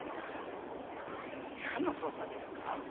なんの捜査ですか？